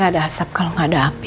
gak ada asap kalo gak ada api